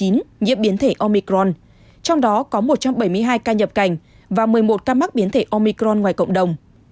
nhiễm biến thể omicron trong đó có một trăm bảy mươi hai ca nhập cảnh và một mươi một ca mắc biến thể omicron ngoài cộng đồng